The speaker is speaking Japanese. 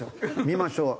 見ましょう。